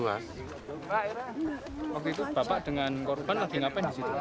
waktu itu bapak dengan korban lagi ngapain disitu